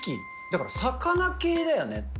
だから魚系だよね。